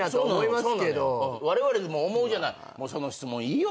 われわれでも思うじゃない「もうその質問いいよ」